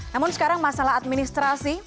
namun sekarang masalah administrasi